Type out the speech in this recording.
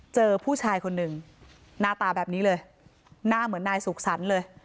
เจอผู้ชายคนหนึ่งหน้าตาแบบนี้เลยหน้าเหมือนนายสุขสรรค์เลย